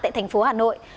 tại thành phố hà nội